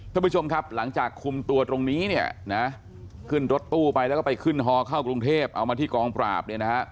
ท่านผู้ชมครับหลังจากคุมตัวตรงนี้เนี่ยนะขึ้นรถตู้ไปแล้วก็ไปขึ้นฮอเข้ากรุงเทพเอามาที่กองปราบเนี่ยนะฮะ